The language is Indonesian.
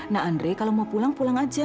nah andre kalau mau pulang pulang aja